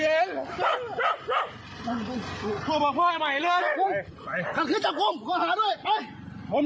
ยังไม่รู้เลยว่าผิดหรือไม่ผิดมาจับเรื่องอะไร